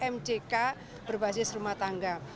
mck berbasis rumah tangga